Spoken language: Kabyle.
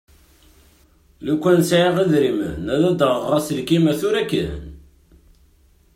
Lukan sεiɣ idrimen ad aɣeɣ aselkim-a tura yakan.